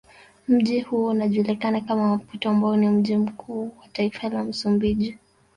Mji huo ukijulikana kama Maputo ambao ni mji mkuu wa taifa la msumbiji